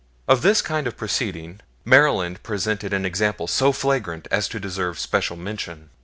Of this kind of proceeding, Maryland presented an example so flagrant as to deserve special mention.